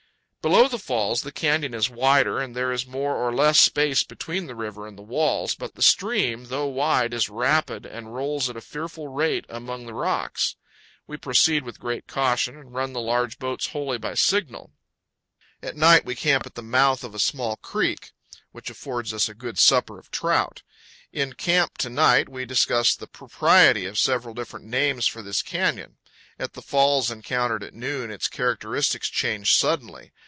Below the falls the canyon is wider, and there is more or less space between the river and the walls; but the stream, though wide, is rapid, and rolls at a fearful rate among the rocks. We proceed with great caution, and run the large boats wholly by signal. FROM ECHO PARK TO THE MOUTH OF UINTA EIVER. 175 At night we camp at the mouth of a small creek, which affords us a good supper of trout. In camp to night we discuss the propriety powell canyons 119.jpg SWALLOW CAVE. of several different names for this canyon. At the falls encountered at noon its characteristics change suddenly.